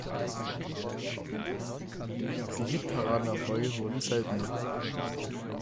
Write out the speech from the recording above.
Die Hitparadenerfolge wurde seltener.